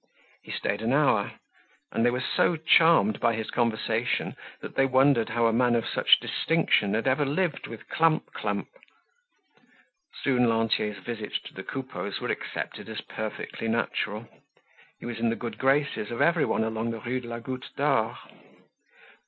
He stayed an hour and they were so charmed by his conversation that they wondered how a man of such distinction had ever lived with Clump clump. Soon Lantier's visits to the Coupeaus were accepted as perfectly natural; he was in the good graces of everyone along the Rue de la Goutte d'Or.